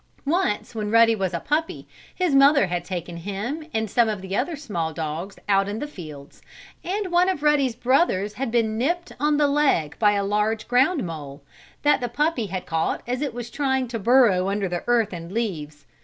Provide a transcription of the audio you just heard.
Once, when Ruddy was a small puppy, his mother had taken him and some of the other small dogs out in the fields, and one of Ruddy's brothers had been nipped on the leg by a large ground mole, that the puppy had caught as it was trying to burrow under the earth and leaves.